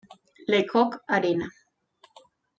Le Coq arena.